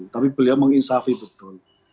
tapi beliau menginsafi betul